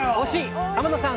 天野さん